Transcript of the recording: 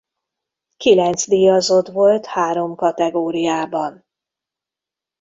Kilenc díjazott volt három kategóriában.